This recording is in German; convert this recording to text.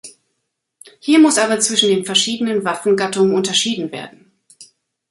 Hier muss aber zwischen den verschiedenen Waffengattungen unterschieden werden.